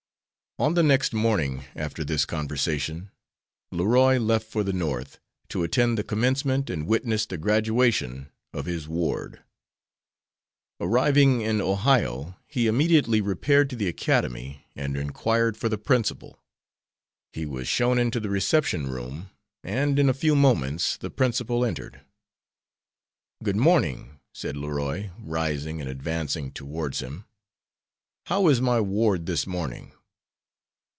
On the next morning after this conversation Leroy left for the North, to attend the commencement and witness the graduation of his ward. Arriving in Ohio, he immediately repaired to the academy and inquired for the principal. He was shown into the reception room, and in a few moments the principal entered. "Good morning," said Leroy, rising and advancing towards him; "how is my ward this morning?"